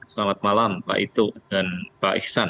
selamat malam pak itu dan pak ihsan